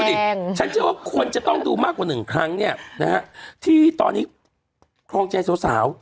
ฉันเชื่อว่าคนจะต้องดูมากกว่าหนึ่งครั้งเนี่ยนะฮะที่ตอนนี้ครองใจสาว